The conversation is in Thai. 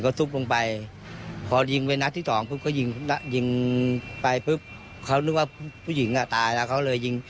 ก็ไม่ได้ยินเสียงของทั้งคู่ทะเลาะกันแต่อย่างใด